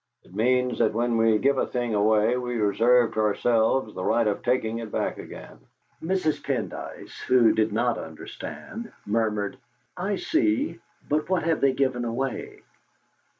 "It means that when we give a thing away, we reserve to ourselves the right of taking it back again." Mrs. Pendyce, who did not understand, murmured: "I see. But what have they given away?"